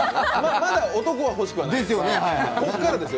まだ男は欲しくはないですね。